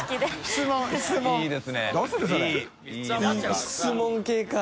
質問系か。